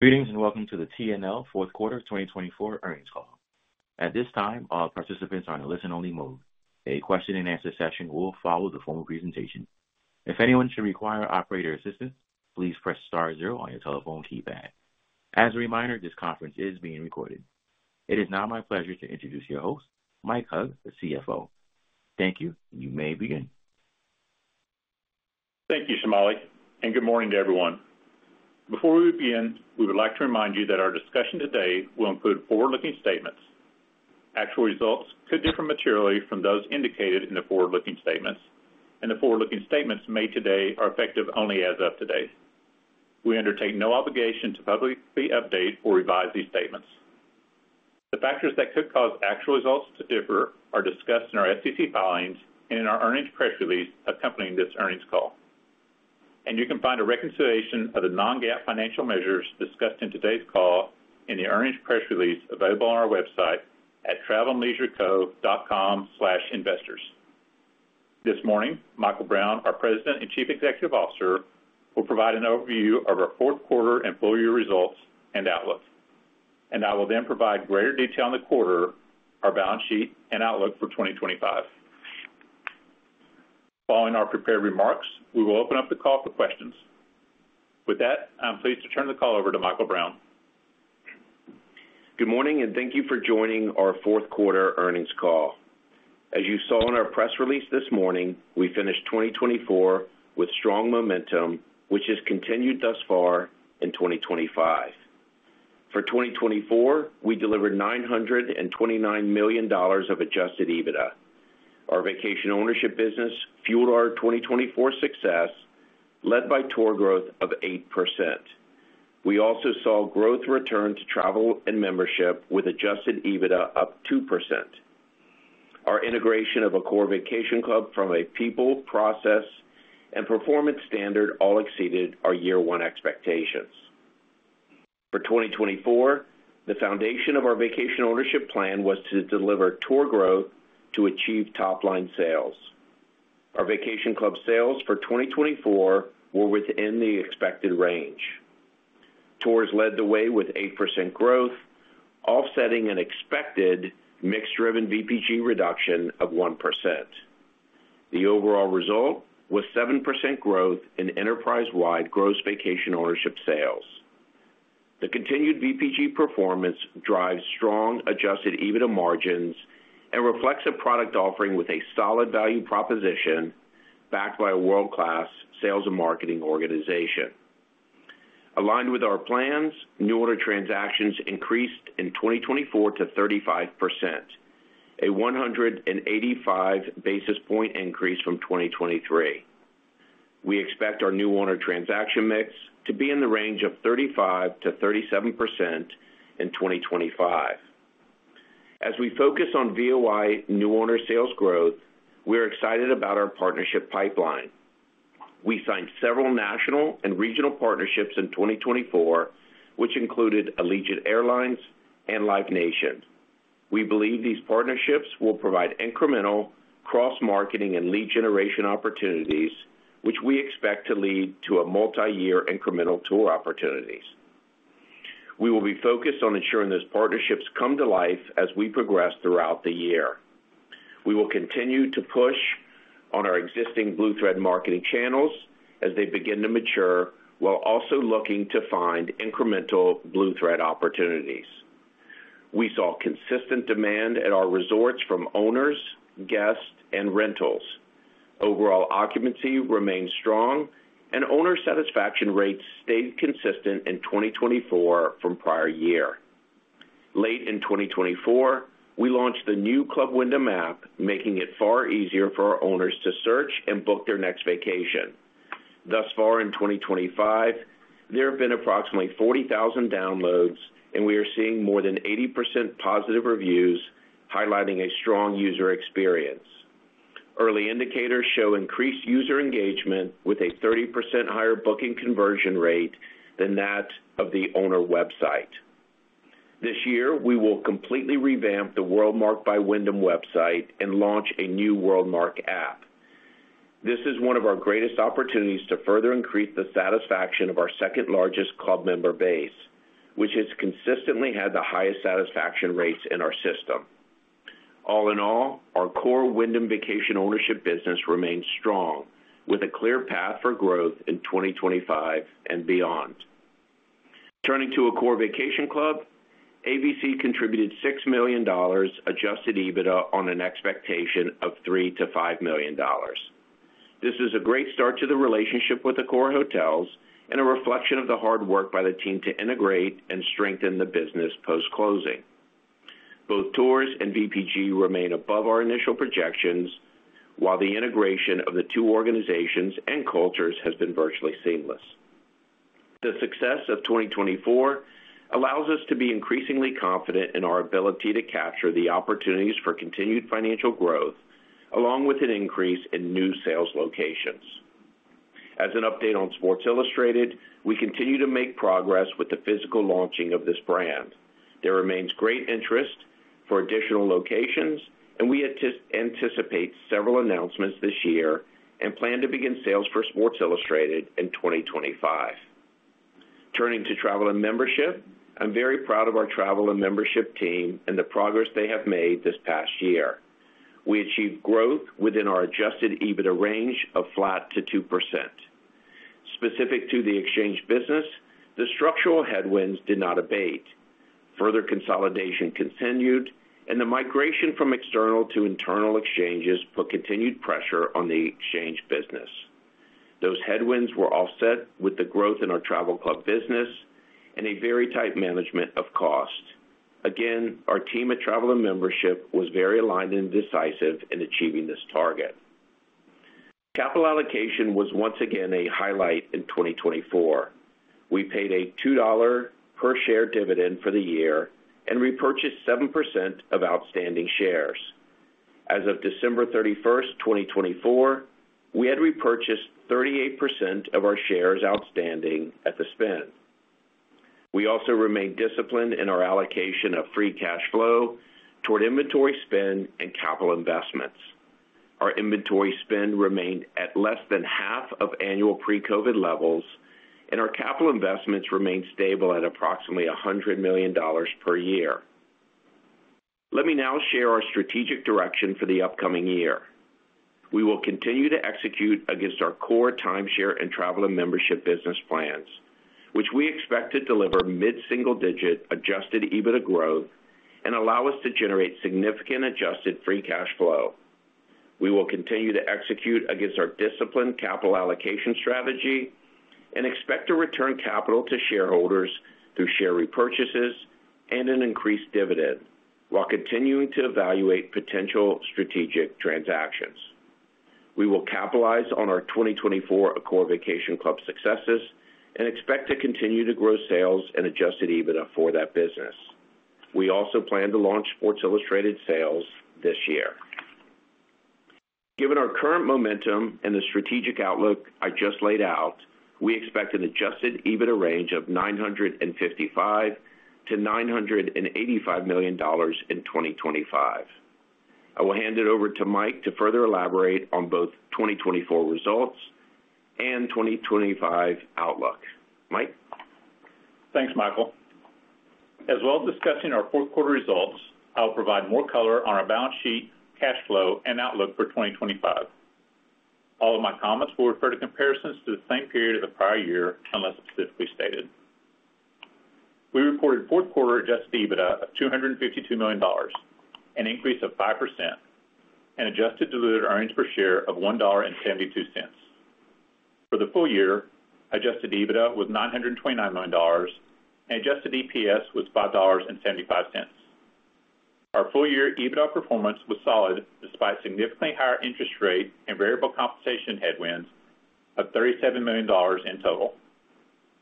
Greetings and welcome to the T&L fourth quarter 2024 earnings call. At this time, all participants are in a listen-only mode. A question-and-answer session will follow the formal presentation. If anyone should require operator assistance, please press star zero on your telephone keypad. As a reminder, this conference is being recorded. It is now my pleasure to introduce your host, Mike Hug, the CFO. Thank you, and you may begin. Thank you, Shomali, and good morning to everyone. Before we begin, we would like to remind you that our discussion today will include forward-looking statements. Actual results could differ materially from those indicated in the forward-looking statements, and the forward-looking statements made today are effective only as of today. We undertake no obligation to publicly update or revise these statements. The factors that could cause actual results to differ are discussed in our SEC filings and in our earnings press release accompanying this earnings call. And you can find a reconciliation of the non-GAAP financial measures discussed in today's call in the earnings press release available on our website at travelandleisureco.com/investors. This morning, Michael Brown, our President and Chief Executive Officer, will provide an overview of our fourth quarter and full-year results and outlook. And I will then provide greater detail in the quarter our balance sheet and outlook for 2025. Following our prepared remarks, we will open up the call for questions. With that, I'm pleased to turn the call over to Michael Brown. Good morning, and thank you for joining our fourth quarter earnings call. As you saw in our press release this morning, we finished 2024 with strong momentum, which has continued thus far in 2025. For 2024, we delivered $929 million of Adjusted EBITDA. Our vacation ownership business fueled our 2024 success, led by tour growth of 8%. We also saw growth return to travel and membership with Adjusted EBITDA up 2%. Our integration of Accor Vacation Club from a people, process, and performance standard all exceeded our year-one expectations. For 2024, the foundation of our vacation ownership plan was to deliver tour growth to achieve top-line sales. Our vacation club sales for 2024 were within the expected range. Tours led the way with 8% growth, offsetting an expected mix-driven VPG reduction of 1%. The overall result was 7% growth in enterprise-wide gross vacation ownership sales. The continued VPG performance drives strong Adjusted EBITDA margins and reflects a product offering with a solid value proposition backed by a world-class sales and marketing organization. Aligned with our plans, new order transactions increased in 2024 to 35%, a 185 basis points increase from 2023. We expect our new order transaction mix to be in the range of 35%-37% in 2025. As we focus on VOI new order sales growth, we are excited about our partnership pipeline. We signed several national and regional partnerships in 2024, which included Allegiant Airlines and Live Nation. We believe these partnerships will provide incremental cross-marketing and lead generation opportunities, which we expect to lead to a multi-year incremental tour opportunities. We will be focused on ensuring those partnerships come to life as we progress throughout the year. We will continue to push on our existing Blue Thread marketing channels as they begin to mature while also looking to find incremental Blue Thread opportunities. We saw consistent demand at our resorts from owners, guests, and rentals. Overall occupancy remained strong, and owner satisfaction rates stayed consistent in 2024 from prior year. Late in 2024, we launched the new Club Wyndham app, making it far easier for our owners to search and book their next vacation. Thus far in 2025, there have been approximately 40,000 downloads, and we are seeing more than 80% positive reviews highlighting a strong user experience. Early indicators show increased user engagement with a 30% higher booking conversion rate than that of the owner website. This year, we will completely revamp the WorldMark by Wyndham website and launch a new WorldMark app. This is one of our greatest opportunities to further increase the satisfaction of our second-largest club member base, which has consistently had the highest satisfaction rates in our system. All in all, our core Wyndham Vacation Ownership business remains strong, with a clear path for growth in 2025 and beyond. Turning to Accor Vacation Club, AVC contributed $6 million Adjusted EBITDA on an expectation of $3 million-$5 million. This is a great start to the relationship with the Accor Hotels and a reflection of the hard work by the team to integrate and strengthen the business post-closing. Both tours and VPG remain above our initial projections, while the integration of the two organizations and cultures has been virtually seamless. The success of 2024 allows us to be increasingly confident in our ability to capture the opportunities for continued financial growth, along with an increase in new sales locations. As an update on Sports Illustrated, we continue to make progress with the physical launching of this brand. There remains great interest for additional locations, and we anticipate several announcements this year and plan to begin sales for Sports Illustrated in 2025. Turning to Travel and Membership, I'm very proud of our Travel and Membership team and the progress they have made this past year. We achieved growth within our Adjusted EBITDA range of flat to 2%. Specific to the exchange business, the structural headwinds did not abate. Further consolidation continued, and the migration from external to internal exchanges put continued pressure on the exchange business. Those headwinds were offset with the growth in our travel club business and a very tight management of cost. Again, our team at Travel and Membership was very aligned and decisive in achieving this target. Capital allocation was once again a highlight in 2024. We paid a $2 per share dividend for the year and repurchased 7% of outstanding shares. As of December 31st, 2024, we had repurchased 38% of our shares outstanding at the spin. We also remained disciplined in our allocation of free cash flow toward inventory spend and capital investments. Our inventory spend remained at less than half of annual pre-COVID levels, and our capital investments remained stable at approximately $100 million per year. Let me now share our strategic direction for the upcoming year. We will continue to execute against our core timeshare and travel and membership business plans, which we expect to deliver mid-single-digit Adjusted EBITDA growth and allow us to generate significant Adjusted Free Cash Flow. We will continue to execute against our disciplined capital allocation strategy and expect to return capital to shareholders through share repurchases and an increased dividend, while continuing to evaluate potential strategic transactions. We will capitalize on our 2024 core vacation club successes and expect to continue to grow sales and Adjusted EBITDA for that business. We also plan to launch Sports Illustrated sales this year. Given our current momentum and the strategic outlook I just laid out, we expect an Adjusted EBITDA range of $955 million-$985 million in 2025. I will hand it over to Mike to further elaborate on both 2024 results and 2025 outlook. Mike? Thanks, Michael. As well as discussing our fourth quarter results, I'll provide more color on our balance sheet, cash flow, and outlook for 2025. All of my comments will refer to comparisons to the same period of the prior year unless specifically stated. We reported fourth quarter Adjusted EBITDA of $252 million, an increase of 5%, and adjusted diluted earnings per share of $1.72. For the full year, Adjusted EBITDA was $929 million, and adjusted EPS was $5.75. Our full-year EBITDA performance was solid despite significantly higher interest rate and variable compensation headwinds of $37 million in total.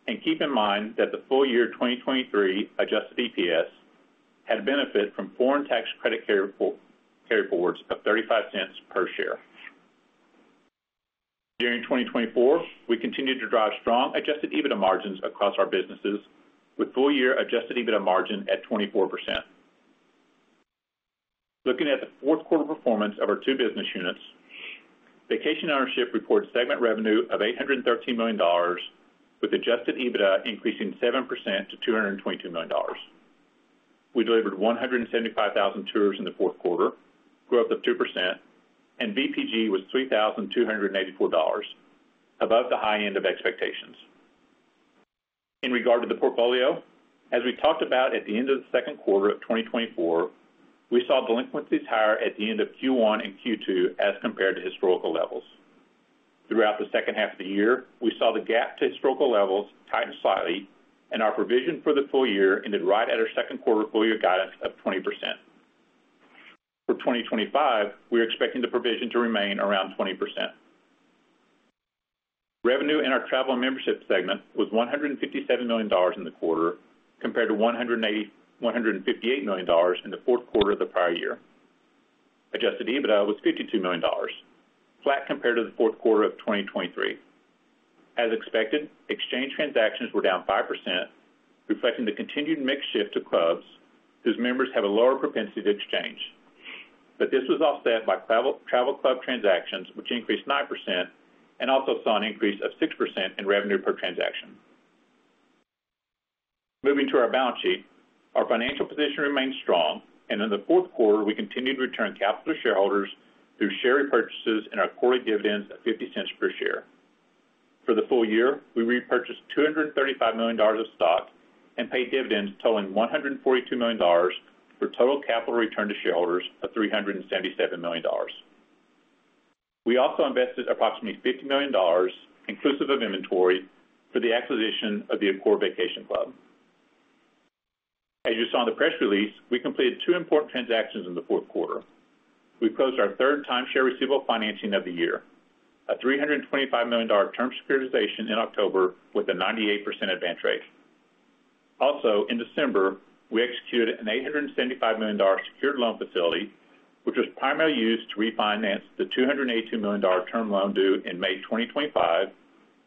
And keep in mind that the full-year 2023 adjusted EPS had benefit from foreign tax credit carryforwards of $0.35 per share. During 2024, we continued to drive strong Adjusted EBITDA margins across our businesses with full-year Adjusted EBITDA margin at 24%. Looking at the fourth quarter performance of our two business units, Vacation Ownership reported segment revenue of $813 million, with Adjusted EBITDA increasing 7% to $222 million. We delivered 175,000 tours in the fourth quarter, growth of 2%, and VPG was $3,284, above the high end of expectations. In regard to the portfolio, as we talked about at the end of the second quarter of 2024, we saw delinquencies higher at the end of Q1 and Q2 as compared to historical levels. Throughout the second half of the year, we saw the gap to historical levels tighten slightly, and our provision for the full year ended right at our second quarter full-year guidance of 20%. For 2025, we are expecting the provision to remain around 20%. Revenue in our Travel and Membership segment was $157 million in the quarter compared to $158 million in the fourth quarter of the prior year. Adjusted EBITDA was $52 million, flat compared to the fourth quarter of 2023. As expected, exchange transactions were down 5%, reflecting the continued mix shift to clubs, whose members have a lower propensity to exchange. But this was offset by travel club transactions, which increased 9%, and also saw an increase of 6% in revenue per transaction. Moving to our balance sheet, our financial position remained strong, and in the fourth quarter, we continued to return capital to shareholders through share repurchases and our quarterly dividends of $0.50 per share. For the full year, we repurchased $235 million of stock and paid dividends totaling $142 million for total capital return to shareholders of $377 million. We also invested approximately $50 million, inclusive of inventory, for the acquisition of the Accor Vacation Club. As you saw in the press release, we completed two important transactions in the fourth quarter. We closed our third timeshare receivable financing of the year, a $325 million term securitization in October with a 98% advance rate. Also, in December, we executed an $875 million secured loan facility, which was primarily used to refinance the $282 million term loan due in May 2025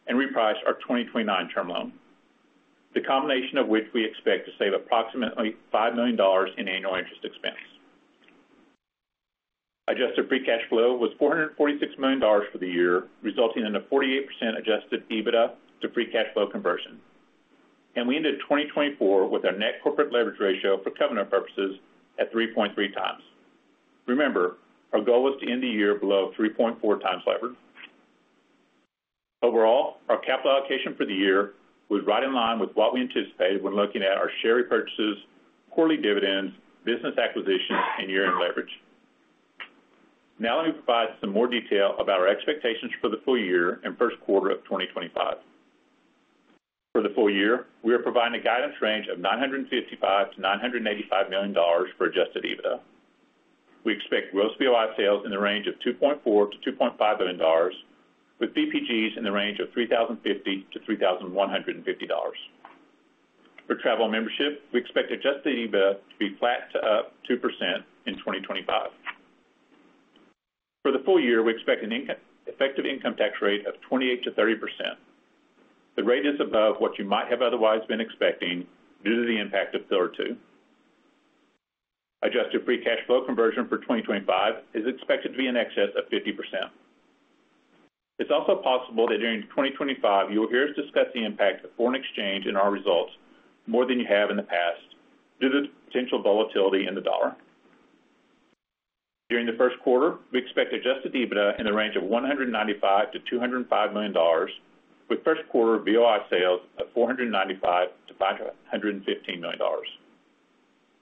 and repriced our 2029 term loan, the combination of which we expect to save approximately $5 million in annual interest expense. Adjusted free cash flow was $446 million for the year, resulting in a 48% Adjusted EBITDA to free cash flow conversion, and we ended 2024 with our net corporate leverage ratio for covenant purposes at 3.3 times. Remember, our goal was to end the year below 3.4 times leverage. Overall, our capital allocation for the year was right in line with what we anticipated when looking at our share repurchases, quarterly dividends, business acquisitions, and year-end leverage. Now let me provide some more detail about our expectations for the full year and first quarter of 2025. For the full year, we are providing a guidance range of $955 million-$985 million for Adjusted EBITDA. We expect gross VOI sales in the range of $2.4 million-$2.5 million, with VPGs in the range of $3,050-$3,150. For Travel and Membership, we expect Adjusted EBITDA to be flat to up 2% in 2025. For the full year, we expect an effective income tax rate of 28%-30%. The rate is above what you might have otherwise been expecting due to the impact of Pillar two. Adjusted Free Cash Flow conversion for 2025 is expected to be in excess of 50%. It's also possible that during 2025, you will hear us discuss the impact of foreign exchange in our results more than you have in the past due to the potential volatility in the dollar. During the first quarter, we expect Adjusted EBITDA in the range of $195 million-$205 million, with first quarter VOI sales of $495million-$515 million,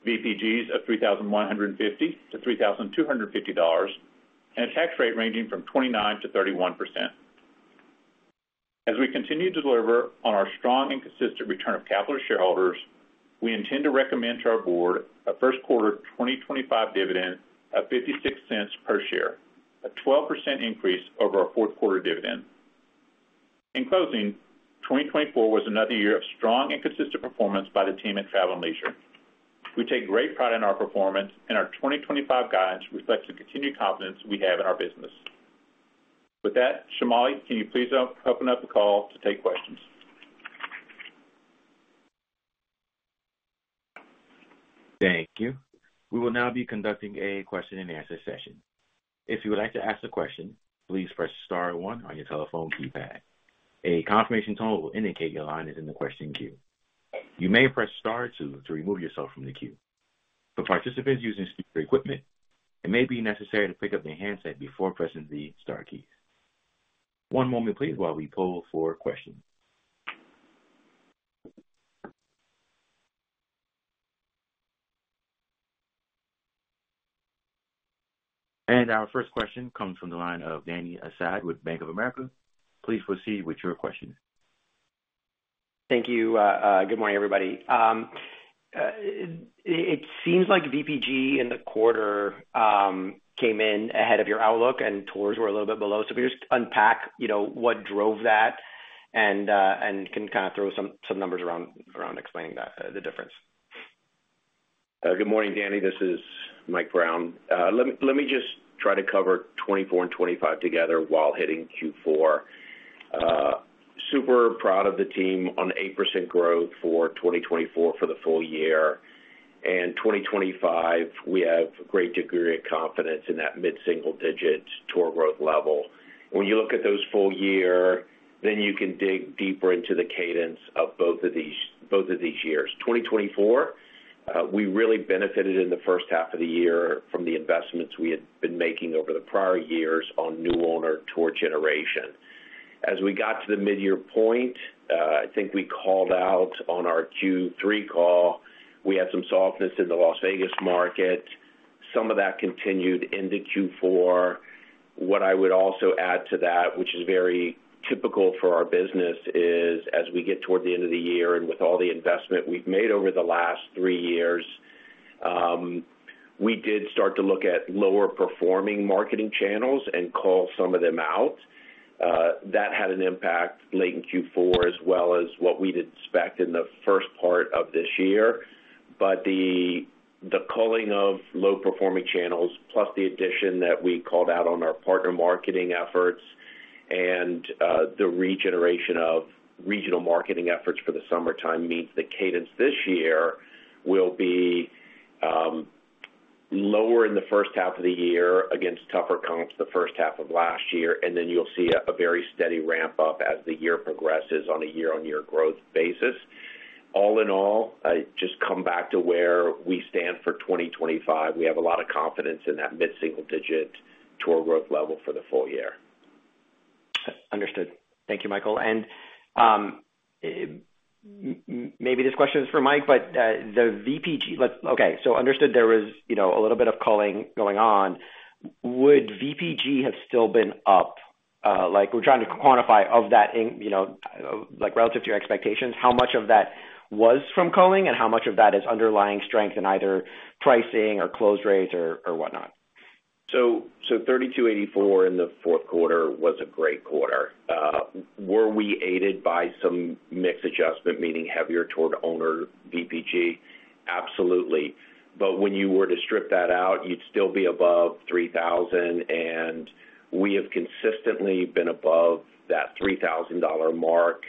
VPGs of $3,150-$3,250, and a tax rate ranging from 29%-31%. As we continue to deliver on our strong and consistent return of capital to shareholders, we intend to recommend to our board a first quarter 2025 dividend of $0.56 per share, a 12% increase over our fourth quarter dividend. In closing, 2024 was another year of strong and consistent performance by the team at Travel + Leisure. We take great pride in our performance, and our 2025 guidance reflects the continued confidence we have in our business. With that, Shomali, can you please open up the call to take questions? Thank you. We will now be conducting a question-and-answer session. If you would like to ask a question, please press star one on your telephone keypad. A confirmation tone will indicate your line is in the question queue. You may press star two to remove yourself from the queue. For participants using speaker equipment, it may be necessary to pick up the handset before pressing the star keys. One moment, please, while we pull for questions. And our first question comes from the line of Dany Asad with Bank of America. Please proceed with your question. Thank you. Good morning, everybody. It seems like VPG in the quarter came in ahead of your outlook, and tours were a little bit below. So if you just unpack what drove that and can kind of throw some numbers around explaining the difference. Good morning, Dany. This is Mike Brown. Let me just try to cover 2024 and 2025 together while hitting Q4. Super proud of the team on 8% growth for 2024 for the full year, and 2025, we have a great degree of confidence in that mid-single-digit tour growth level. When you look at those full year, then you can dig deeper into the cadence of both of these years. 2024, we really benefited in the first half of the year from the investments we had been making over the prior years on new owner tour generation. As we got to the mid-year point, I think we called out on our Q3 call, we had some softness in the Las Vegas market. Some of that continued into Q4. What I would also add to that, which is very typical for our business, is as we get toward the end of the year and with all the investment we've made over the last three years, we did start to look at lower-performing marketing channels and call some of them out. That had an impact late in Q4 as well as what we'd expect in the first part of this year. But the culling of low-performing channels, plus the addition that we called out on our partner marketing efforts and the regeneration of regional marketing efforts for the summertime means the cadence this year will be lower in the first half of the year against tougher comps the first half of last year. And then you'll see a very steady ramp up as the year progresses on a year-on-year growth basis. All in all, just come back to where we stand for 2025. We have a lot of confidence in that mid-single-digit tour growth level for the full year. Understood. Thank you, Michael. And maybe this question is for Mike, but the VPG, okay, so understood there was a little bit of culling going on. Would VPG have still been up? We're trying to quantify of that relative to your expectations. How much of that was from culling, and how much of that is underlying strength in either pricing or close rates or whatnot? 3,284 in the fourth quarter was a great quarter. Were we aided by some mix adjustment, meaning heavier toward owner VPG? Absolutely. But when you were to strip that out, you'd still be above 3,000. And we have consistently been above that $3,000 mark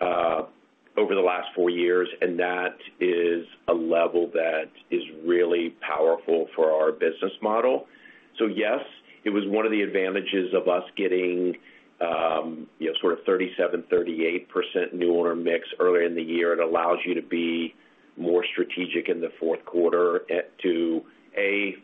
over the last four years. And that is a level that is really powerful for our business model. So yes, it was one of the advantages of us getting sort of 37%, 38% new owner mix earlier in the year. It allows you to be more strategic in the fourth quarter to, A,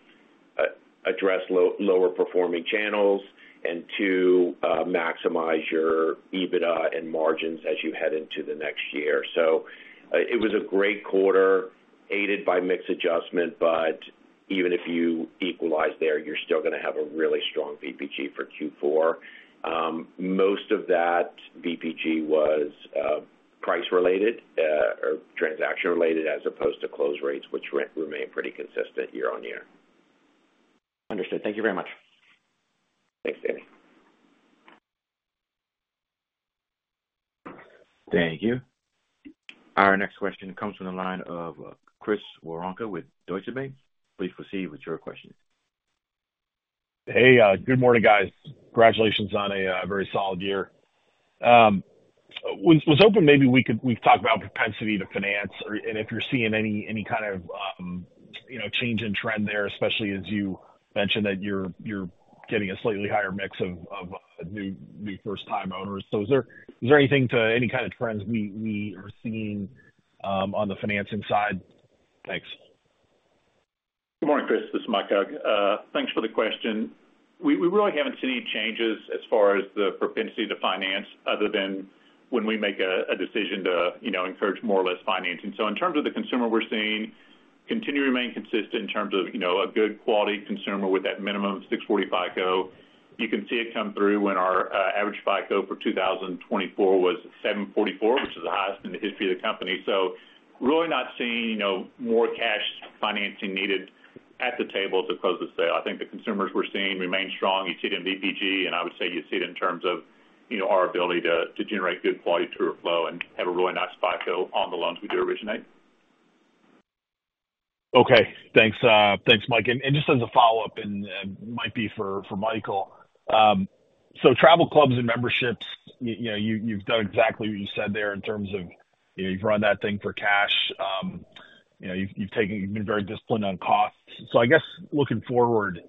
address lower-performing channels and, two, maximize your EBITDA and margins as you head into the next year. So it was a great quarter, aided by mix adjustment, but even if you equalize there, you're still going to have a really strong VPG for Q4. Most of that VPG was price-related or transaction-related as opposed to close rates, which remained pretty consistent year-on-year. Understood. Thank you very much. Thanks, Danny. Thank you. Our next question comes from the line of Chris Woronka with Deutsche Bank. Please proceed with your question. Hey, good morning, guys. Congratulations on a very solid year. When it was open, maybe we could talk about propensity to finance and if you're seeing any kind of change in trend there, especially as you mentioned that you're getting a slightly higher mix of new first-time owners. So is there anything to any kind of trends we are seeing on the financing side? Thanks. Good morning, Chris. This is Mike Hug. Thanks for the question. We really haven't seen any changes as far as the propensity to finance other than when we make a decision to encourage more or less financing. So in terms of the consumer, we're seeing continue to remain consistent in terms of a good quality consumer with that minimum 640 FICO. You can see it come through when our average FICO for 2024 was 744, which is the highest in the history of the company. So really not seeing more cash financing needed at the table to close the sale. I think the consumers we're seeing remain strong. You see it in VPG, and I would say you see it in terms of our ability to generate good quality tour flow and have a really nice FICO on the loans we do originate. Okay. Thanks, Mike. And just as a follow-up, and it might be for Michael, so travel clubs and memberships, you've done exactly what you said there in terms of you've run that thing for cash. You've been very disciplined on costs. So I guess looking forward,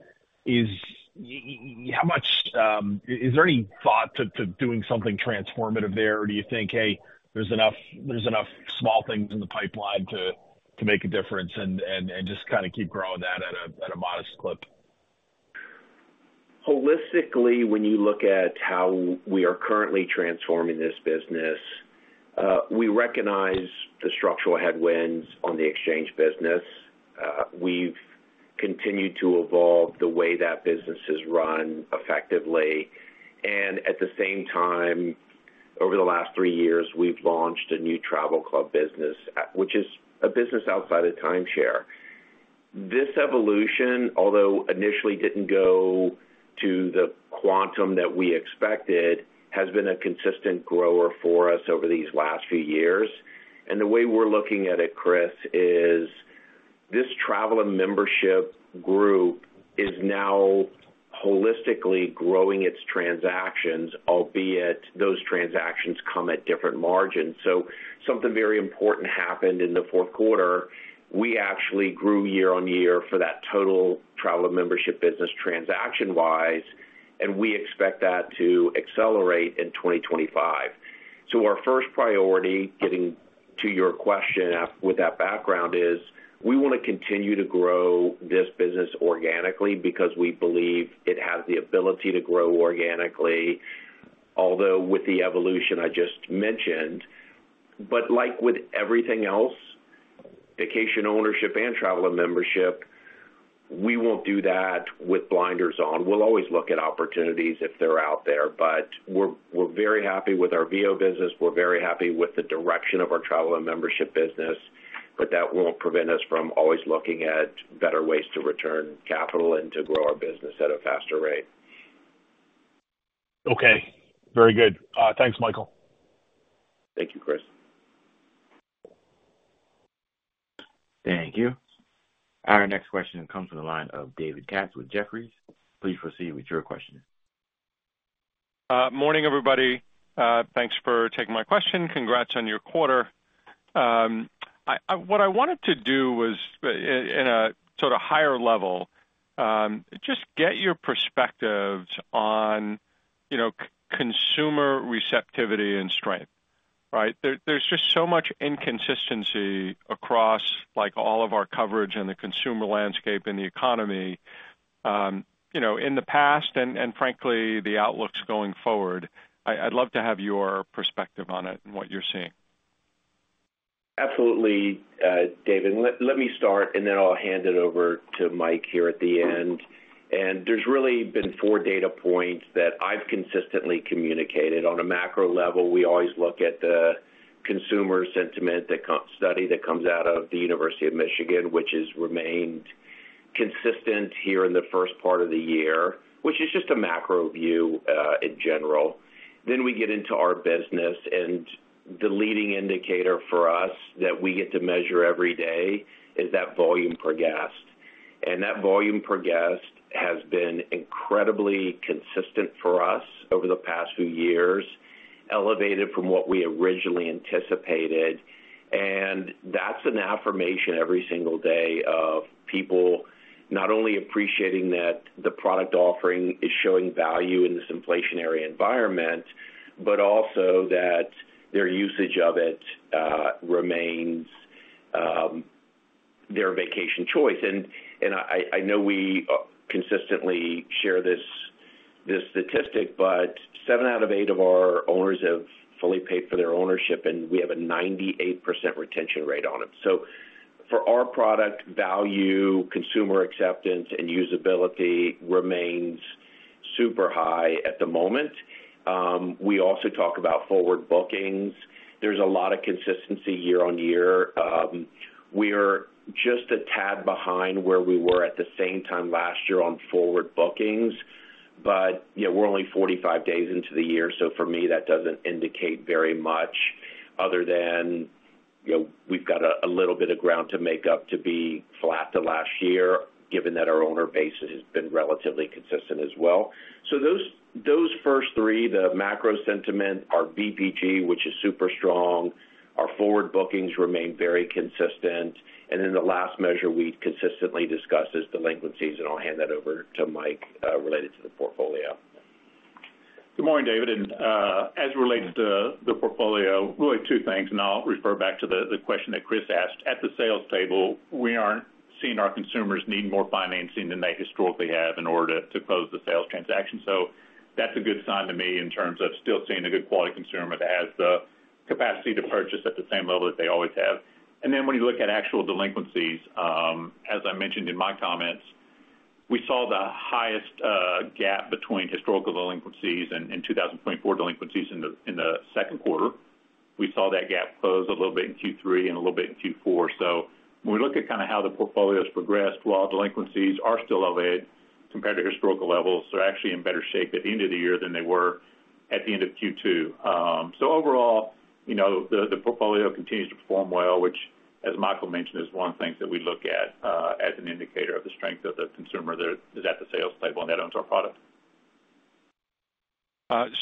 is there any thought to doing something transformative there, or do you think, hey, there's enough small things in the pipeline to make a difference and just kind of keep growing that at a modest clip? Holistically, when you look at how we are currently transforming this business, we recognize the structural headwinds on the exchange business. We've continued to evolve the way that business is run effectively. And at the same time, over the last three years, we've launched a new travel club business, which is a business outside of timeshare. This evolution, although initially didn't go to the quantum that we expected, has been a consistent grower for us over these last few years. And the way we're looking at it, Chris, is this travel and membership group is now holistically growing its transactions, albeit those transactions come at different margins. So something very important happened in the fourth quarter. We actually grew year-on-year for that total travel and membership business transaction-wise, and we expect that to accelerate in 2025. So our first priority, getting to your question with that background, is we want to continue to grow this business organically because we believe it has the ability to grow organically, although with the evolution I just mentioned. But like with everything else, Vacation Ownership and Travel and Membership, we won't do that with blinders on. We'll always look at opportunities if they're out there. But we're very happy with our VO business. We're very happy with the direction of our Travel and Membership business, but that won't prevent us from always looking at better ways to return capital and to grow our business at a faster rate. Okay. Very good. Thanks, Michael. Thank you, Chris. Thank you. Our next question comes from the line of David Katz with Jefferies. Please proceed with your question. Morning, everybody. Thanks for taking my question. Congrats on your quarter. What I wanted to do was, in a sort of higher level, just get your perspectives on consumer receptivity and strength, right? There's just so much inconsistency across all of our coverage and the consumer landscape and the economy in the past and, frankly, the outlooks going forward. I'd love to have your perspective on it and what you're seeing. Absolutely, David. Let me start, and then I'll hand it over to Mike here at the end, and there's really been four data points that I've consistently communicated. On a macro level, we always look at the consumer sentiment study that comes out of the University of Michigan, which has remained consistent here in the first part of the year, which is just a macro view in general, then we get into our business, and the leading indicator for us that we get to measure every day is that volume per guest, and that volume per guest has been incredibly consistent for us over the past few years, elevated from what we originally anticipated, and that's an affirmation every single day of people not only appreciating that the product offering is showing value in this inflationary environment, but also that their usage of it remains their vacation choice. I know we consistently share this statistic, but seven out of eight of our owners have fully paid for their ownership, and we have a 98% retention rate on it. For our product, value, consumer acceptance, and usability remains super high at the moment. We also talk about forward bookings. There's a lot of consistency year-on-year. We're just a tad behind where we were at the same time last year on forward bookings, but we're only 45 days into the year. For me, that doesn't indicate very much other than we've got a little bit of ground to make up to be flat to last year, given that our owner base has been relatively consistent as well. Those first three, the macro sentiment, our VPG, which is super strong, our forward bookings remain very consistent. And then the last measure we consistently discuss is delinquencies, and I'll hand that over to Mike related to the portfolio. Good morning, David. And as it relates to the portfolio, really two things, and I'll refer back to the question that Chris asked. At the sales table, we aren't seeing our consumers need more financing than they historically have in order to close the sales transaction. So that's a good sign to me in terms of still seeing a good quality consumer that has the capacity to purchase at the same level that they always have. And then when you look at actual delinquencies, as I mentioned in my comments, we saw the highest gap between historical delinquencies and 2024 delinquencies in the second quarter. We saw that gap close a little bit in Q3 and a little bit in Q4. So when we look at kind of how the portfolio has progressed, while delinquencies are still elevated compared to historical levels, they're actually in better shape at the end of the year than they were at the end of Q2. So overall, the portfolio continues to perform well, which, as Michael mentioned, is one of the things that we look at as an indicator of the strength of the consumer that is at the sales table and that owns our product.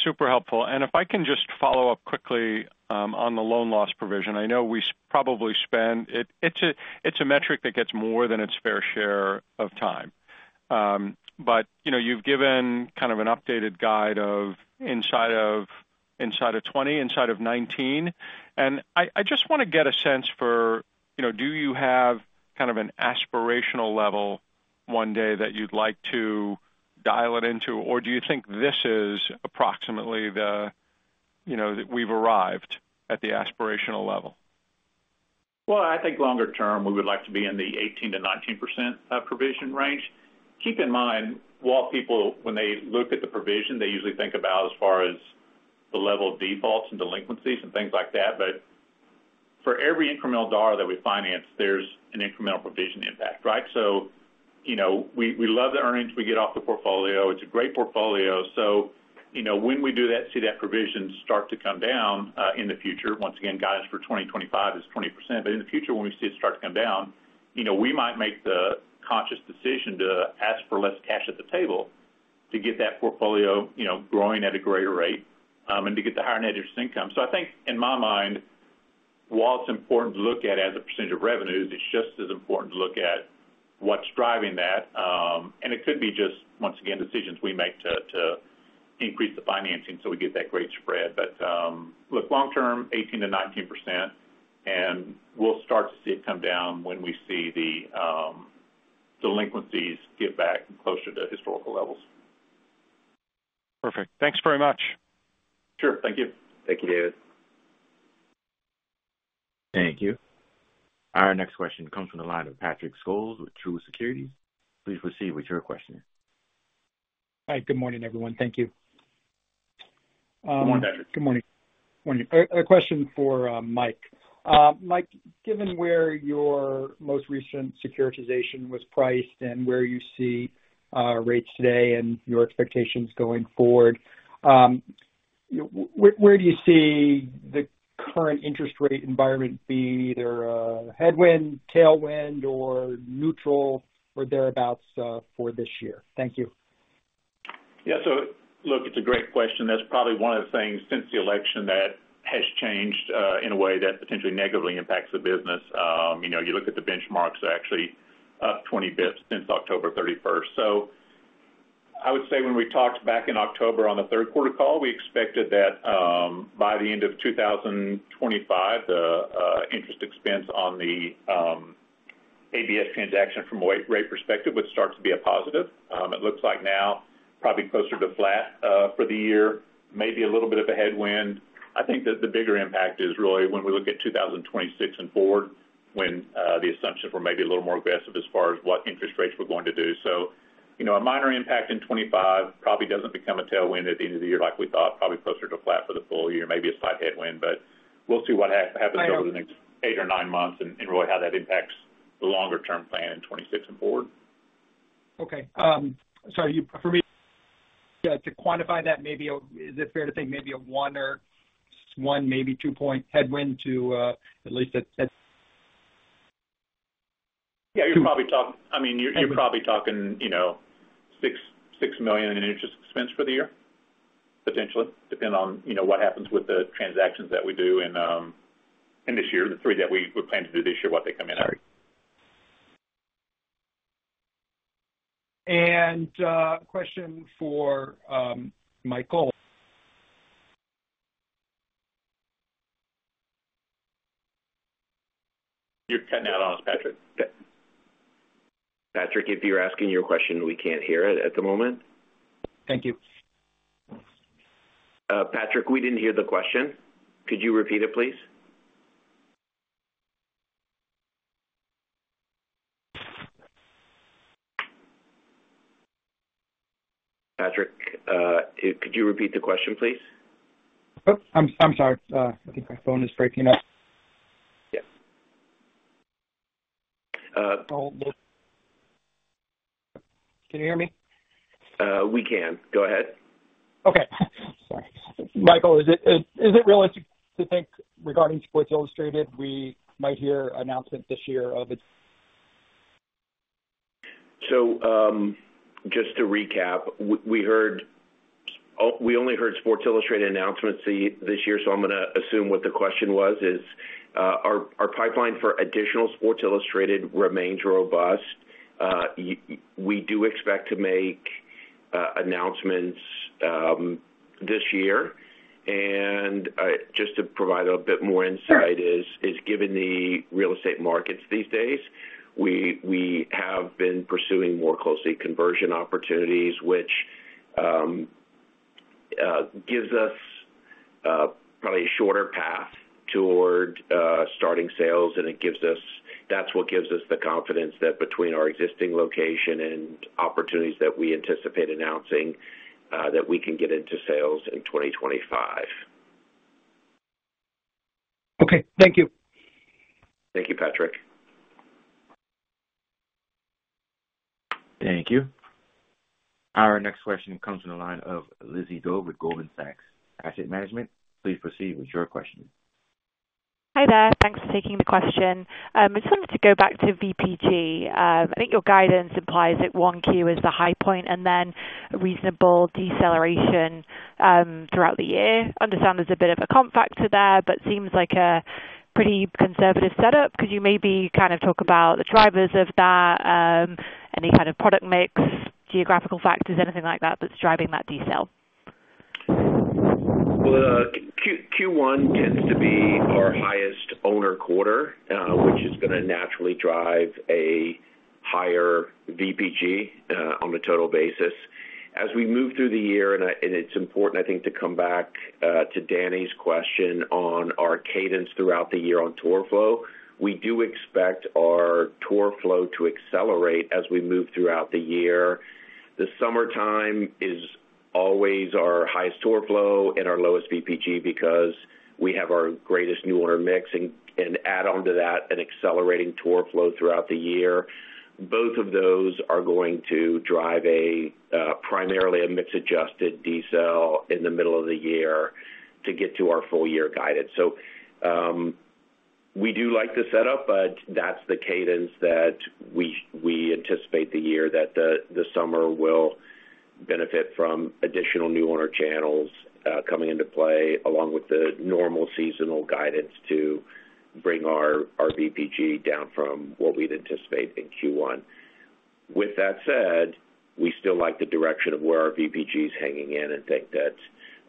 Super helpful. And if I can just follow up quickly on the loan loss provision, I know we probably spend. It's a metric that gets more than its fair share of time. But you've given kind of an updated guide of inside of 20, inside of 19. And I just want to get a sense for, do you have kind of an aspirational level one day that you'd like to dial it into, or do you think this is approximately the level we've arrived at the aspirational level? I think longer term, we would like to be in the 18%-19% provision range. Keep in mind, while people, when they look at the provision, they usually think about as far as the level of defaults and delinquencies and things like that. But for every incremental dollar that we finance, there's an incremental provision impact, right? So we love the earnings we get off the portfolio. It's a great portfolio. So when we do that, see that provision start to come down in the future. Once again, guidance for 2025 is 20%. But in the future, when we see it start to come down, we might make the conscious decision to ask for less cash at the table to get that portfolio growing at a greater rate and to get the higher net interest income. So I think, in my mind, while it's important to look at as a percentage of revenues, it's just as important to look at what's driving that. And it could be just, once again, decisions we make to increase the financing so we get that great spread. But look, long-term, 18%-19%, and we'll start to see it come down when we see the delinquencies get back closer to historical levels. Perfect. Thanks very much. Sure. Thank you. Thank you, David. Thank you. Our next question comes from the line of Patrick Scholes with Truist Securities. Please proceed with your question. Hi. Good morning, everyone. Thank you. Good morning, Patrick. Good morning. A question for Mike. Mike, given where your most recent securitization was priced and where you see rates today and your expectations going forward, where do you see the current interest rate environment be? Either a headwind, tailwind, or neutral, or thereabouts for this year? Thank you. Yeah, so look, it's a great question. That's probably one of the things since the election that has changed in a way that potentially negatively impacts the business. You look at the benchmarks, they're actually up 20 basis points since October 31st, so I would say when we talked back in October on the third quarter call, we expected that by the end of 2025, the interest expense on the ABS transaction from a rate perspective would start to be a positive. It looks like now probably closer to flat for the year, maybe a little bit of a headwind. I think that the bigger impact is really when we look at 2026 and forward, when the assumptions were maybe a little more aggressive as far as what interest rates we're going to do. A minor impact in 2025 probably doesn't become a tailwind at the end of the year like we thought, probably closer to flat for the full year, maybe a slight headwind. But we'll see what happens over the next eight or nine months and really how that impacts the longer-term plan in 2026 and forward. Okay. Sorry. For me, to quantify that, is it fair to think maybe a one or one, maybe two-point headwind to at least a? Yeah. I mean, you're probably talking $6 million in interest expense for the year, potentially, depending on what happens with the transactions that we do in this year, the three that we plan to do this year, what they come in at. All right. A question for Michael. You're cutting out on us, Patrick. Patrick, if you're asking your question, we can't hear it at the moment. Thank you. Patrick, we didn't hear the question. Could you repeat it, please? Patrick, could you repeat the question, please? I'm sorry. I think my phone is breaking up. Yeah. Can you hear me? We can. Go ahead. Okay. Michael, is it realistic to think regarding Sports Illustrated, we might hear announcements this year of? So, just to recap, we only heard Sports Illustrated announcements this year, so I'm going to assume what the question was is our pipeline for additional Sports Illustrated remains robust. We do expect to make announcements this year. And just to provide a bit more insight is, given the real estate markets these days, we have been pursuing more closely conversion opportunities, which gives us probably a shorter path toward starting sales, and that's what gives us the confidence that between our existing location and opportunities that we anticipate announcing, that we can get into sales in 2025. Okay. Thank you. Thank you, Patrick. Thank you. Our next question comes from the line of Lizzie Dove with Goldman Sachs Asset Management. Please proceed with your question. Hi there. Thanks for taking the question. I just wanted to go back to VPG. I think your guidance implies that one Q is the high point and then a reasonable deceleration throughout the year. Understand there's a bit of a comp factor there, but seems like a pretty conservative setup because you maybe kind of talk about the drivers of that, any kind of product mix, geographical factors, anything like that that's driving that decel. Q1 tends to be our highest owner quarter, which is going to naturally drive a higher VPG on a total basis. As we move through the year, and it's important, I think, to come back to Dany's question on our cadence throughout the year on tour flow, we do expect our tour flow to accelerate as we move throughout the year. The summertime is always our highest tour flow and our lowest VPG because we have our greatest new owner mix. Add on to that an accelerating tour flow throughout the year. Both of those are going to drive primarily a mix-adjusted decel in the middle of the year to get to our full-year guidance. So we do like the setup, but that's the cadence that we anticipate the year that the summer will benefit from additional new owner channels coming into play along with the normal seasonal guidance to bring our VPG down from what we'd anticipate in Q1. With that said, we still like the direction of where our VPG is hanging in and think that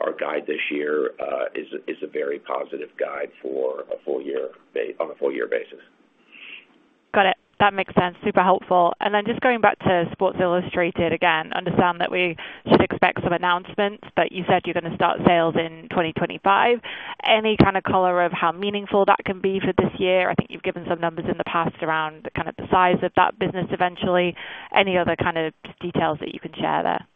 our guide this year is a very positive guide for a full-year on a full-year basis. Got it. That makes sense. Super helpful, and then just going back to Sports Illustrated again, understand that we should expect some announcements, but you said you're going to start sales in 2025. Any kind of color of how meaningful that can be for this year? I think you've given some numbers in the past around kind of the size of that business eventually. Any other kind of details that you can share there?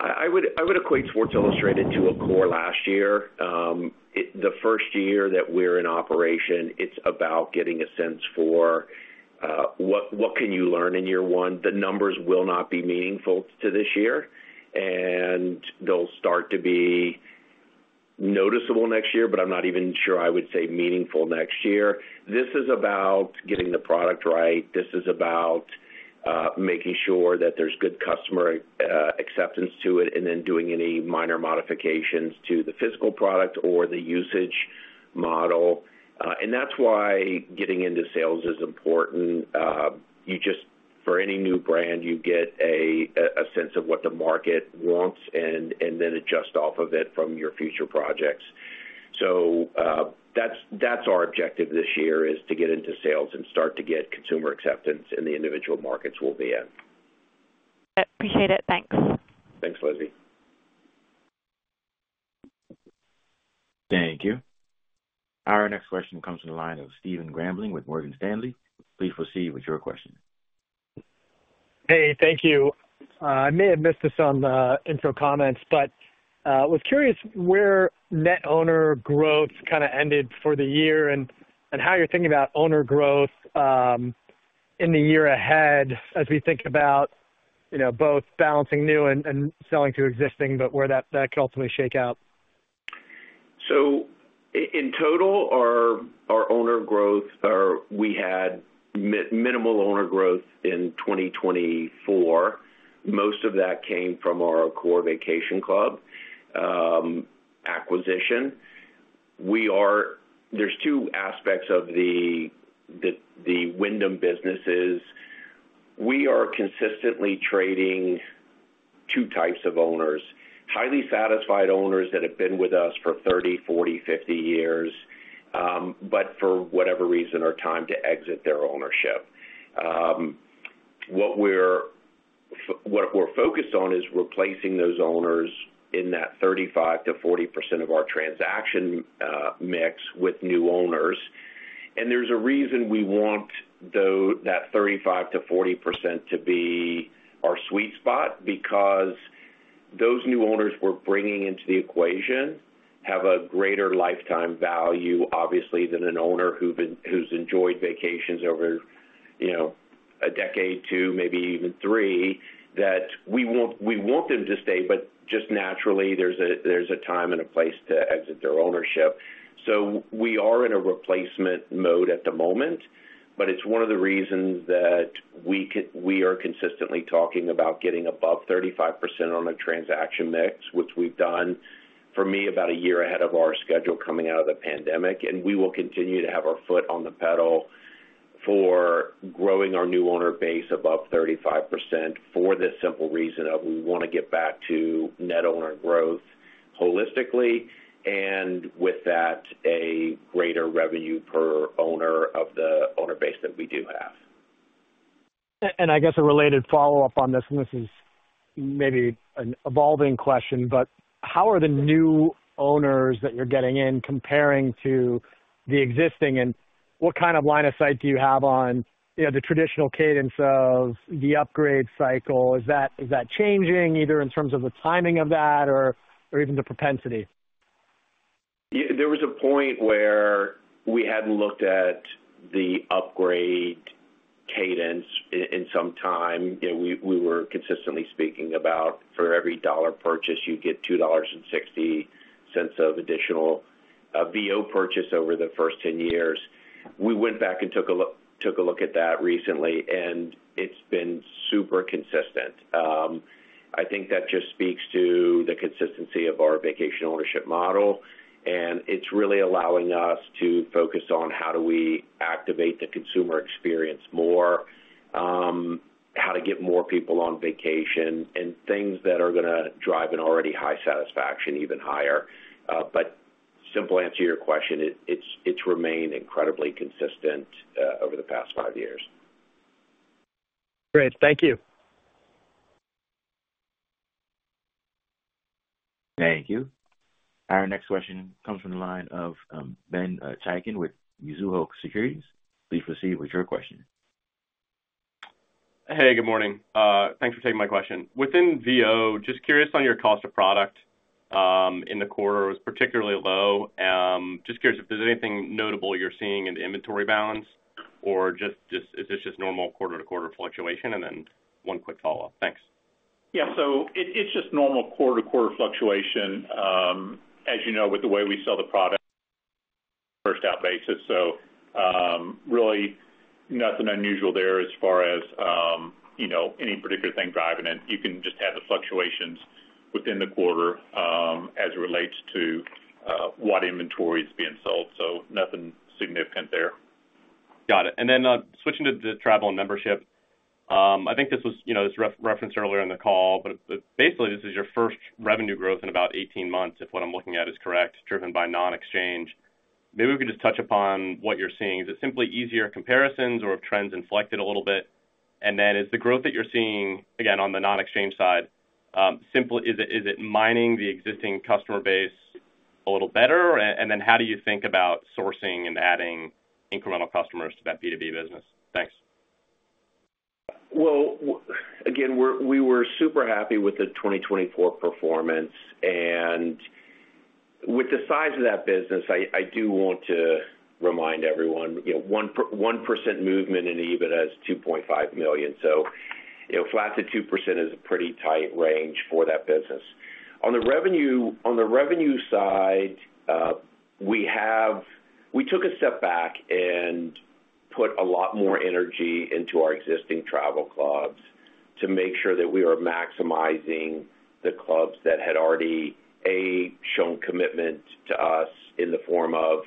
I would equate Sports Illustrated to Accor last year. The first year that we're in operation, it's about getting a sense for what can you learn in year one. The numbers will not be meaningful to this year, and they'll start to be noticeable next year, but I'm not even sure I would say meaningful next year. This is about getting the product right. This is about making sure that there's good customer acceptance to it and then doing any minor modifications to the physical product or the usage model, and that's why getting into sales is important. For any new brand, you get a sense of what the market wants and then adjust off of it from your future projects, so that's our objective this year is to get into sales and start to get consumer acceptance in the individual markets we'll be in. Appreciate it. Thanks. Thanks, Lizzie. Thank you. Our next question comes from the line of Stephen Grambling with Morgan Stanley. Please proceed with your question. Hey, thank you. I may have missed this on the intro comments, but I was curious where net owner growth kind of ended for the year and how you're thinking about owner growth in the year ahead as we think about both balancing new and selling to existing, but where that could ultimately shake out. So in total, our owner growth, we had minimal owner growth in 2024. Most of that came from our core vacation club acquisition. There's two aspects of the Wyndham businesses. We are consistently trading two types of owners: highly satisfied owners that have been with us for 30, 40, 50 years, but for whatever reason are trying to exit their ownership. What we're focused on is replacing those owners in that 35%-40% of our transaction mix with new owners. And there's a reason we want that 35%-40% to be our sweet spot because those new owners we're bringing into the equation have a greater lifetime value, obviously, than an owner who's enjoyed vacations over a decade, two, maybe even three, that we want them to stay, but just naturally, there's a time and a place to exit their ownership. So we are in a replacement mode at the moment, but it's one of the reasons that we are consistently talking about getting above 35% on a transaction mix, which we've done, for me, about a year ahead of our schedule coming out of the pandemic. And we will continue to have our foot on the pedal for growing our new owner base above 35% for the simple reason of we want to get back to net owner growth holistically and with that, a greater revenue per owner of the owner base that we do have. I guess a related follow-up on this, and this is maybe an evolving question, but how are the new owners that you're getting in comparing to the existing? What kind of line of sight do you have on the traditional cadence of the upgrade cycle? Is that changing either in terms of the timing of that or even the propensity? There was a point where we hadn't looked at the upgrade cadence in some time. We were consistently speaking about for every dollar purchase, you get $2.60 of additional VO purchase over the first 10 years. We went back and took a look at that recently, and it's been super consistent. I think that just speaks to the consistency of our vacation ownership model, and it's really allowing us to focus on how do we activate the consumer experience more, how to get more people on vacation, and things that are going to drive an already high satisfaction even higher. But simple answer to your question, it's remained incredibly consistent over the past five years. Great. Thank you. Thank you. Our next question comes from the line of Ben Chaykin with Mizuho Securities. Please proceed with your question. Hey, good morning. Thanks for taking my question. Within VO, just curious on your cost of product in the quarter was particularly low. Just curious if there's anything notable you're seeing in the inventory balance, or is this just normal quarter-to-quarter fluctuation? And then one quick follow-up. Thanks. Yeah. So it's just normal quarter-to-quarter fluctuation, as you know, with the way we sell the product first-out basis. So really nothing unusual there as far as any particular thing driving it. You can just have the fluctuations within the quarter as it relates to what inventory is being sold. So nothing significant there. Got it. And then switching to the Travel and Membership, I think this was referenced earlier in the call, but basically, this is your first revenue growth in about 18 months, if what I'm looking at is correct, driven by non-exchange. Maybe we could just touch upon what you're seeing. Is it simply easier comparisons or trends inflected a little bit? And then is the growth that you're seeing, again, on the non-exchange side, is it mining the existing customer base a little better? And then how do you think about sourcing and adding incremental customers to that B2B business? Thanks. Again, we were super happy with the 2024 performance. And with the size of that business, I do want to remind everyone, 1% movement in EBITDA is $2.5 million. So flat to 2% is a pretty tight range for that business. On the revenue side, we took a step back and put a lot more energy into our existing travel clubs to make sure that we are maximizing the clubs that had already shown commitment to us in the form of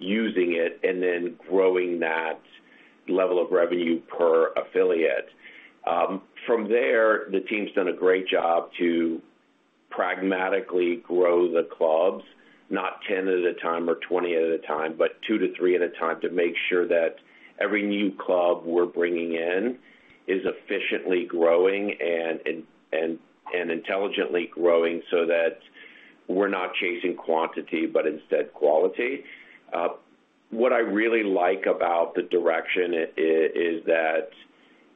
using it, and then growing that level of revenue per affiliate. From there, the team's done a great job to pragmatically grow the clubs, not 10 at a time or 20 at a time, but two to three at a time to make sure that every new club we're bringing in is efficiently growing and intelligently growing so that we're not chasing quantity, but instead quality. What I really like about the direction is that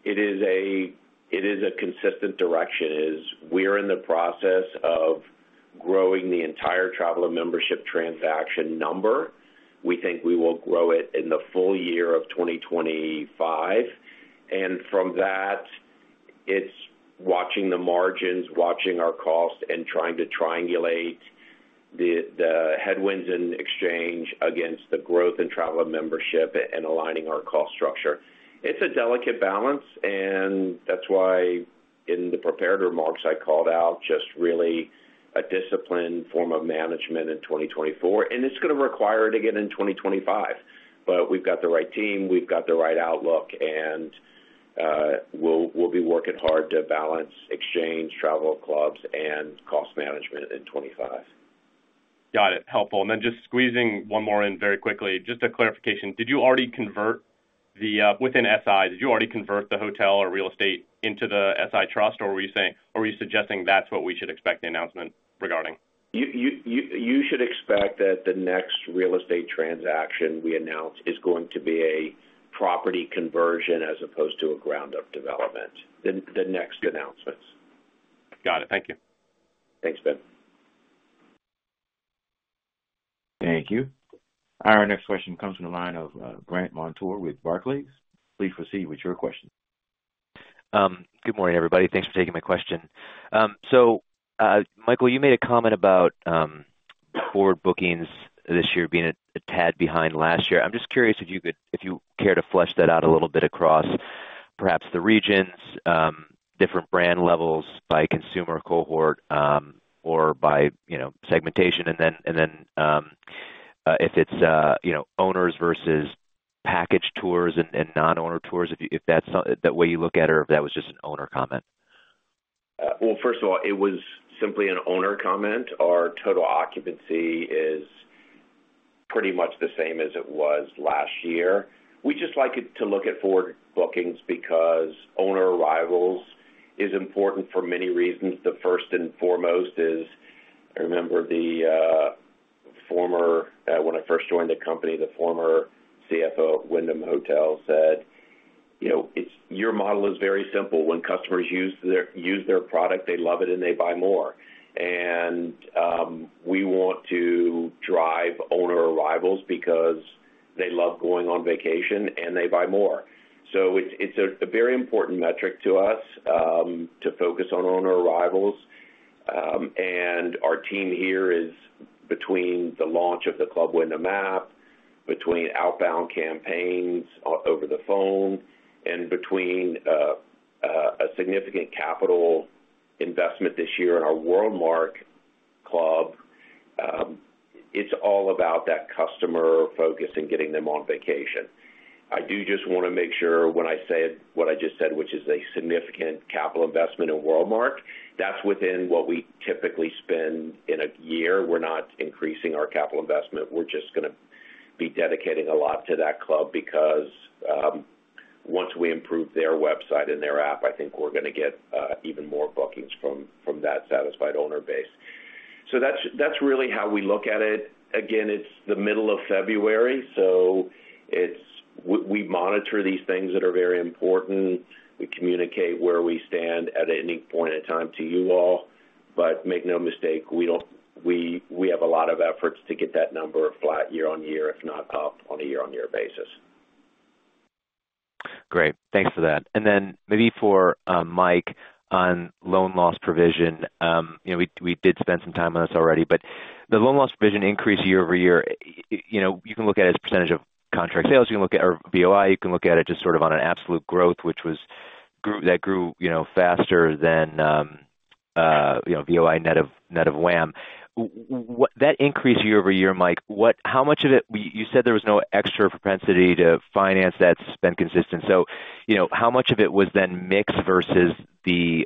it is a consistent direction. We're in the process of growing the entire traveler membership transaction number. We think we will grow it in the full year of 2025, and from that, it's watching the margins, watching our cost, and trying to triangulate the headwinds in exchange against the growth and traveler membership and aligning our cost structure. It's a delicate balance, and that's why in the prepared remarks, I called out just really a disciplined form of management in 2024, and it's going to require it again in 2025, but we've got the right team, we've got the right outlook, and we'll be working hard to balance exchange, travel clubs, and cost management in 2025. Got it. Helpful. And then just squeezing one more in very quickly, just a clarification. Did you already convert the Wyndham SI, did you already convert the hotel or real estate into the SI trust, or were you suggesting that's what we should expect the announcement regarding? You should expect that the next real estate transaction we announce is going to be a property conversion as opposed to a ground-up development. The next announcements. Got it. Thank you. Thanks, Ben. Thank you. Our next question comes from the line of Brandt Montour with Barclays. Please proceed with your question. Good morning, everybody. Thanks for taking my question. So Michael, you made a comment about forward bookings this year being a tad behind last year. I'm just curious if you could, if you care to flesh that out a little bit across perhaps the regions, different brand levels by consumer cohort or by segmentation, and then if it's owners versus package tours and non-owner tours, if that's the way you look at it or if that was just an owner comment. First of all, it was simply an owner comment. Our total occupancy is pretty much the same as it was last year. We just like to look at forward bookings because owner arrivals is important for many reasons. The first and foremost is I remember, when I first joined the company, the former CFO at Wyndham Hotel said, "Your model is very simple. When customers use their product, they love it and they buy more," and we want to drive owner arrivals because they love going on vacation and they buy more. It's a very important metric to us to focus on owner arrivals. Our team here is between the launch of the Club Wyndham app, between outbound campaigns over the phone, and between a significant capital investment this year in our WorldMark Club. It's all about that customer focus and getting them on vacation. I do just want to make sure when I say what I just said, which is a significant capital investment in WorldMark, that's within what we typically spend in a year. We're not increasing our capital investment. We're just going to be dedicating a lot to that club because once we improve their website and their app, I think we're going to get even more bookings from that satisfied owner base. So that's really how we look at it. Again, it's the middle of February, so we monitor these things that are very important. We communicate where we stand at any point in time to you all. But make no mistake, we have a lot of efforts to get that number flat year on year, if not up on a year-on-year basis. Great. Thanks for that. And then maybe for Mike on loan loss provision, we did spend some time on this already, but the loan loss provision increased year over year. You can look at it as percentage of contract sales. You can look at it or VOI. You can look at it just sort of on an absolute growth, which was that grew faster than VOI net of WAAM. That increase year over year, Mike. How much of it you said there was no extra propensity to finance that's been consistent. So how much of it was then mix versus the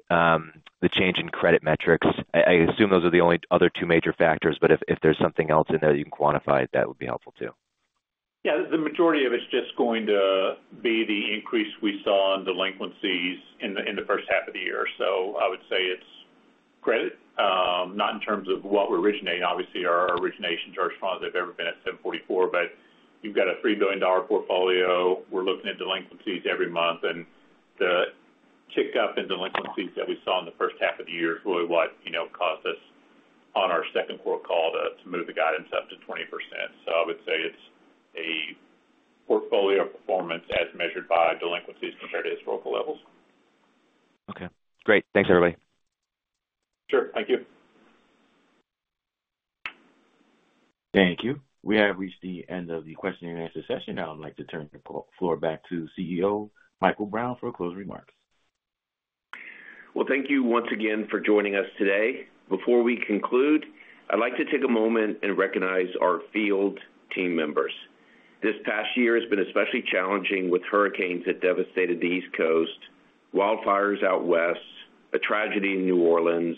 change in credit metrics? I assume those are the only other two major factors, but if there's something else in there that you can quantify, that would be helpful too. Yeah. The majority of it's just going to be the increase we saw in delinquencies in the first half of the year. So I would say it's credit, not in terms of what we're originating. Obviously, our originations are as strong as they've ever been at 744, but you've got a $3 billion portfolio. We're looking at delinquencies every month, and the tick up in delinquencies that we saw in the first half of the year is really what caused us on our second quarter call to move the guidance up to 20%. So I would say it's a portfolio performance as measured by delinquencies compared to historical levels. Okay. Great. Thanks, everybody. Sure. Thank you. Thank you. We have reached the end of the question and answer session. Now I'd like to turn the floor back to CEO Michael Brown for closing remarks. Thank you once again for joining us today. Before we conclude, I'd like to take a moment and recognize our field team members. This past year has been especially challenging with hurricanes that devastated the East Coast, wildfires out West, a tragedy in New Orleans,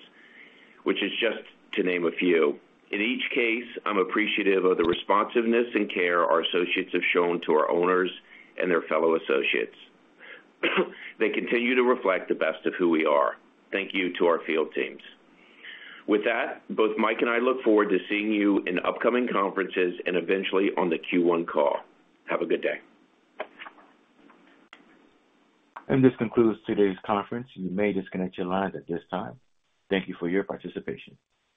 which is just to name a few. In each case, I'm appreciative of the responsiveness and care our associates have shown to our owners and their fellow associates. They continue to reflect the best of who we are. Thank you to our field teams. With that, both Mike and I look forward to seeing you in upcoming conferences and eventually on the Q1 call. Have a good day. This concludes today's conference. You may disconnect your lines at this time. Thank you for your participation.